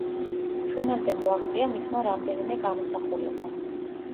ჩვენამდე მოაღწია მისმა რამდენიმე გამოსახულებამ.